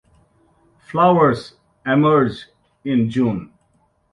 Flowers emerge in June.